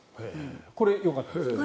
これ、よかったですか？